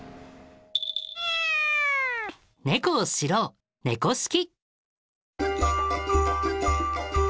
猫を知ろう「猫識」。